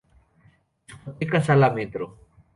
Discoteca Sala Metro